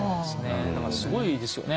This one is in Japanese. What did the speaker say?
だからすごいですよね。